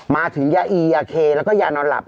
ยาอียาเคแล้วก็ยานอนหลับ